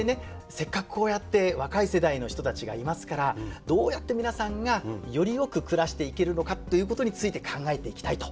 せっかくこうやって若い世代の人たちがいますからどうやって皆さんがよりよく暮らしていけるのかということについて考えていきたいと。